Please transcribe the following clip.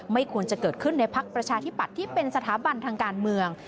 ไม่ควรจะเกิดขึ้นในพักประชาธิปัตย์ที่เป็นสถาบันทางการเมือง